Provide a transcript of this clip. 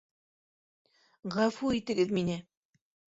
Ғәфү итегеҙ мине!..